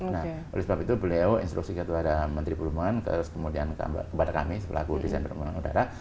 nah oleh sebab itu beliau instruksi gatuhada menteri perhubungan kemudian kepada kami sepelaku desain perhubungan udara